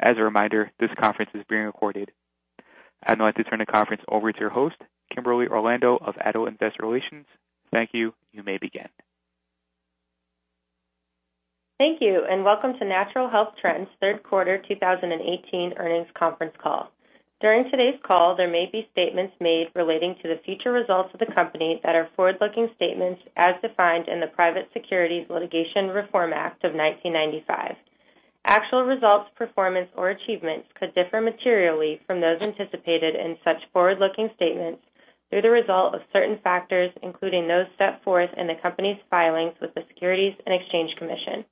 As a reminder, this conference is being recorded. I'd now like to turn the conference over to your host, Kimberly Orlando of ADDO Investor Relations. Thank you. You may begin. Thank you. Welcome to Natural Health Trends' third quarter 2018 earnings conference call. During today's call, there may be statements made relating to the future results of the company that are forward-looking statements as defined in the Private Securities Litigation Reform Act of 1995. Actual results, performance, or achievements could differ materially from those anticipated in such forward-looking statements due to the result of certain factors, including those set forth in the company's filings with the Securities and Exchange Commission.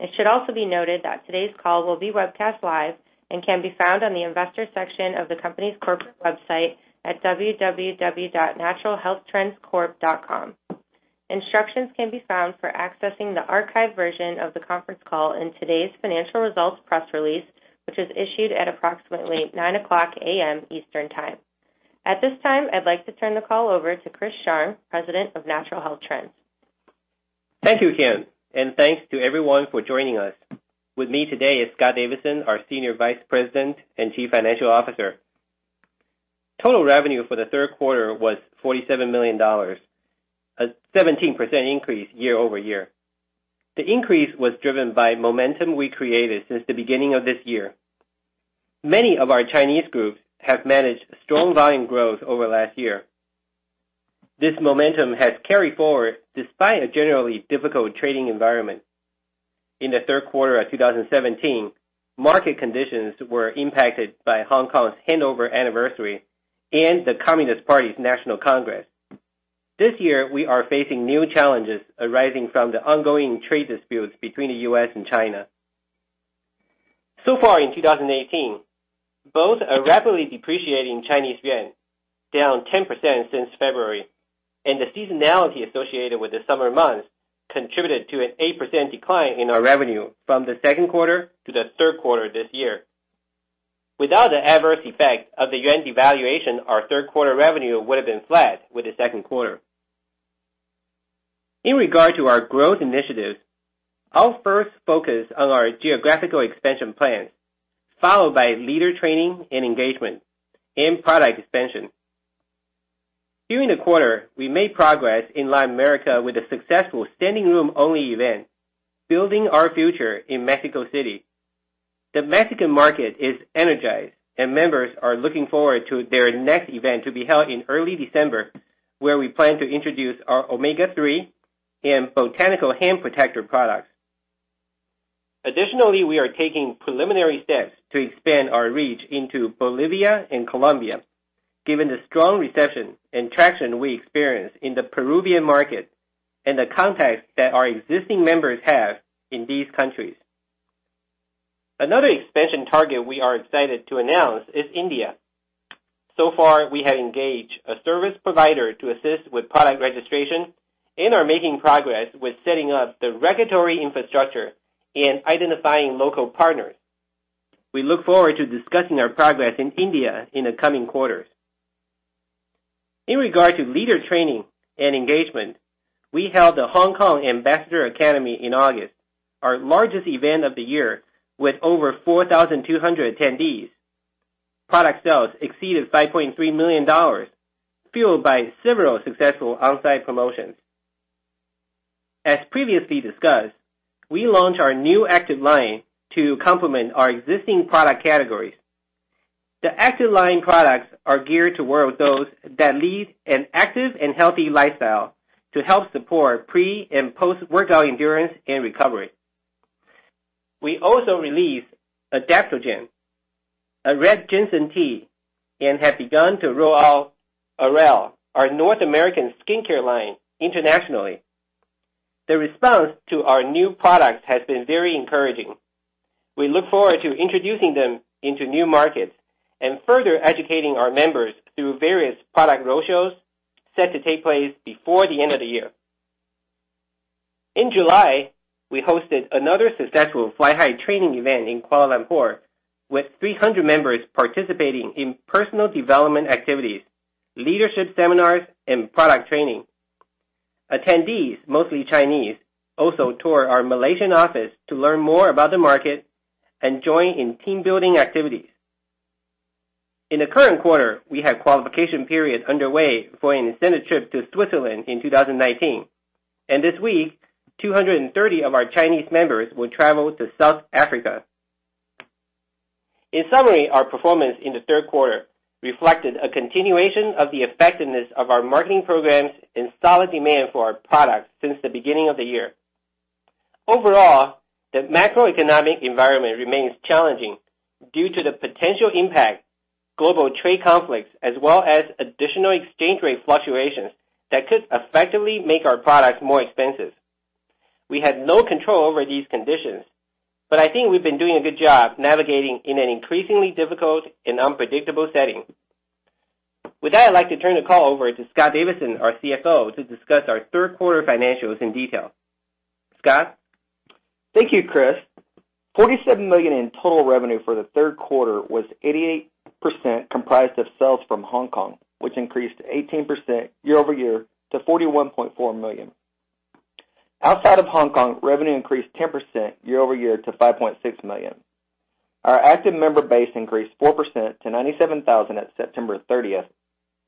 It should also be noted that today's call will be webcast live and can be found on the investor section of the company's corporate website at www.naturalhealthtrendscorp.com. Instructions can be found for accessing the archived version of the conference call in today's financial results press release, which was issued at approximately 9:00 A.M. Eastern Time. At this time, I'd like to turn the call over to Chris Sharng, President of Natural Health Trends. Thank you, Kim. Thanks to everyone for joining us. With me today is Scott Davidson, our Senior Vice President and Chief Financial Officer. Total revenue for the third quarter was $47 million, a 17% increase year-over-year. The increase was driven by momentum we created since the beginning of this year. Many of our Chinese groups have managed strong volume growth over last year. This momentum has carried forward despite a generally difficult trading environment. In the third quarter of 2017, market conditions were impacted by Hong Kong's handover anniversary and the Communist Party's National Congress. This year, we are facing new challenges arising from the ongoing trade disputes between the U.S. and China. So far in 2018, both a rapidly depreciating CNY, down 10% since February, and the seasonality associated with the summer months contributed to an 8% decline in our revenue from the second quarter to the third quarter this year. Without the adverse effect of the CNY devaluation, our third quarter revenue would've been flat with the second quarter. In regard to our growth initiatives, I'll first focus on our geographical expansion plans, followed by leader training and engagement and product expansion. During the quarter, we made progress in Latin America with a successful standing-room only event, building our future in Mexico City. The Mexican market is energized, and members are looking forward to their next event to be held in early December, where we plan to introduce our Omega-3 and Botanical Hand Protector products. We are taking preliminary steps to expand our reach into Bolivia and Colombia, given the strong reception and traction we experience in the Peruvian market and the contacts that our existing members have in these countries. Another expansion target we are excited to announce is India. So far, we have engaged a service provider to assist with product registration and are making progress with setting up the regulatory infrastructure and identifying local partners. We look forward to discussing our progress in India in the coming quarters. In regard to leader training and engagement, we held the Hong Kong Ambassador Academy in August, our largest event of the year, with over 4,200 attendees. Product sales exceeded $5.3 million, fueled by several successful on-site promotions. As previously discussed, we launched our new Active line to complement our existing product categories. The Active line products are geared towards those that lead an Active and healthy lifestyle to help support pre- and post-workout endurance and recovery. We also released Adaptogen, a red ginseng tea, and have begun to roll out Airelle, our North American skincare line, internationally. The response to our new products has been very encouraging. We look forward to introducing them into new markets and further educating our members through various product roadshows set to take place before the end of the year. In July, we hosted another successful Fly High training event in Kuala Lumpur with 300 members participating in personal development activities, leadership seminars, and product training. Attendees, mostly Chinese, also toured our Malaysian office to learn more about the market and join in team-building activities. We have qualification periods underway for an incentive trip to Switzerland in 2019, and this week, 230 of our Chinese members will travel to South Africa. Our performance in the third quarter reflected a continuation of the effectiveness of our marketing programs and solid demand for our products since the beginning of the year. The macroeconomic environment remains challenging due to the potential impact, global trade conflicts, as well as additional exchange rate fluctuations that could effectively make our products more expensive. We have no control over these conditions, but I think we've been doing a good job navigating in an increasingly difficult and unpredictable setting. With that, I'd like to turn the call over to Scott Davidson, our CFO, to discuss our third quarter financials in detail. Scott? Thank you, Chris. $47 million in total revenue for the third quarter was 88% comprised of sales from Hong Kong, which increased 18% year-over-year to $41.4 million. Outside of Hong Kong, revenue increased 10% year-over-year to $5.6 million. Our active member base increased 4% to 97,000 at September 30th,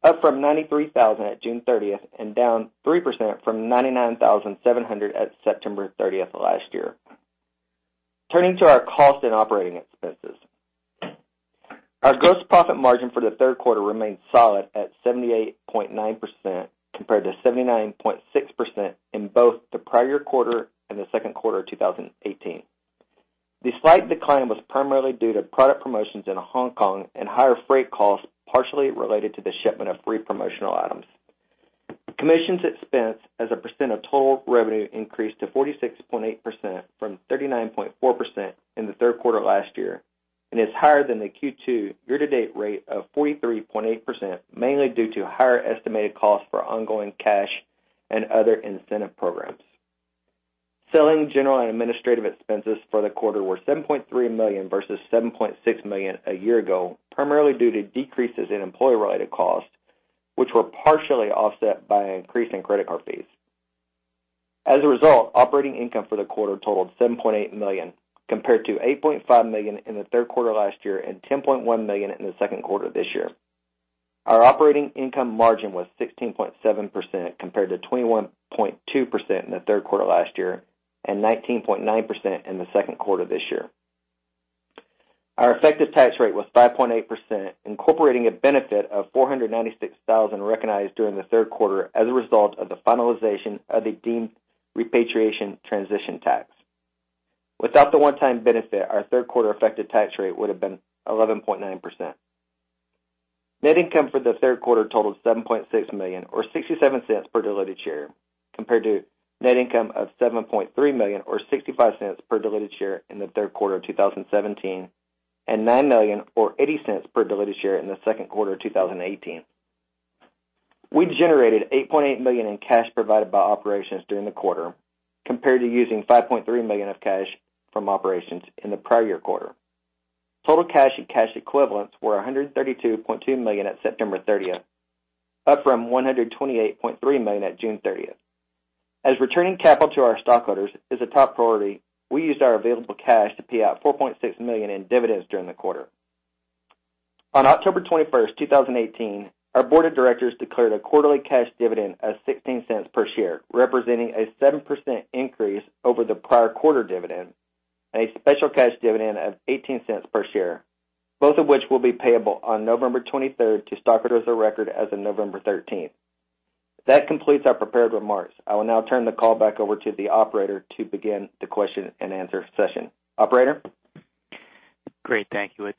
up from 93,000 at June 30th and down 3% from 99,700 at September 30th last year. Turning to our cost and operating expenses. Our gross profit margin for the third quarter remained solid at 78.9%, compared to 79.6% in both the prior quarter and the second quarter of 2018. The slight decline was primarily due to product promotions in Hong Kong and higher freight costs, partially related to the shipment of free promotional items. Commissions expense as a percent of total revenue increased to 46.8%, from 39.4% in the third quarter last year, and is higher than the Q2 year-to-date rate of 43.8%, mainly due to higher estimated costs for ongoing cash and other incentive programs. Selling general and administrative expenses for the quarter were $7.3 million versus $7.6 million a year ago, primarily due to decreases in employee-related costs, which were partially offset by an increase in credit card fees. As a result, operating income for the quarter totaled $7.8 million, compared to $8.5 million in the third quarter last year and $10.1 million in the second quarter this year. Our operating income margin was 16.7%, compared to 21.2% in the third quarter last year and 19.9% in the second quarter this year. Our effective tax rate was 5.8%, incorporating a benefit of $496,000 recognized during the third quarter as a result of the finalization of the deemed repatriation transition tax. Without the one-time benefit, our third quarter effective tax rate would have been 11.9%. Net income for the third quarter totaled $7.6 million or $0.67 per diluted share, compared to net income of $7.3 million or $0.65 per diluted share in the third quarter of 2017 and $9 million or $0.80 per diluted share in the second quarter of 2018. We generated $8.8 million in cash provided by operations during the quarter, compared to using $5.3 million of cash from operations in the prior year quarter. Total cash and cash equivalents were $132.2 million at September 30th, up from $128.3 million at June 30th. As returning capital to our stockholders is a top priority, we used our available cash to pay out $4.6 million in dividends during the quarter. On October 21st, 2018, our board of directors declared a quarterly cash dividend of $0.16 per share, representing a 7% increase over the prior quarter dividend, and a special cash dividend of $0.18 per share, both of which will be payable on November 23rd to stockholders of record as of November 13th. That completes our prepared remarks. I will now turn the call back over to the operator to begin the question and answer session. Operator? Great. Thank you.